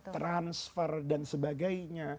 transfer dan sebagainya